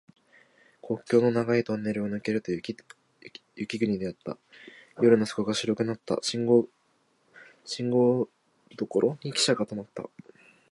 国境の長いトンネルを抜けると雪国であった。夜の底が白くなった。信号所にきしゃが止まった。